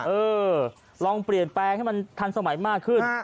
เออลองเปลี่ยนแปลงให้มันทันสมัยมากขึ้น